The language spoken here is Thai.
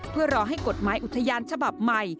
เพื่อรอให้กฎหมายอุทยานฉบับใหม่